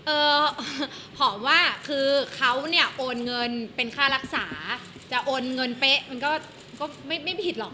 เออผอมว่าคือเขาเนี่ยโอนเงินเป็นค่ารักษาจะโอนเงินเป๊ะมันก็ก็ไม่ผิดหรอก